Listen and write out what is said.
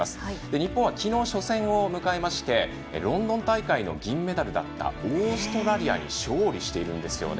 日本は、昨日初戦を迎えましてロンドン大会の銀メダルだったオーストラリアに勝利しているんですね。